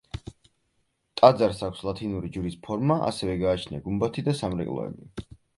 ტაძარს აქვს ლათინური ჯვრის ფორმა, ასევე გააჩნია გუმბათი და სამრეკლოები.